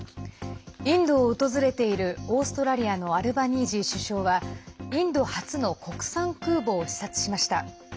インドを訪れているオーストラリアのアルバニージー首相はインド初の国産空母を視察しました。